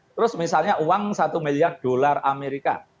terus misalnya uang satu miliar dolar amerika